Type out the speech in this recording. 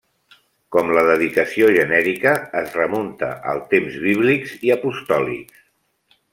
Com la dedicació genèrica, es remunta als temps bíblics i apostòlics.